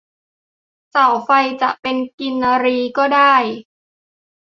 เสาไฟจะเป็นกินรีก็ได้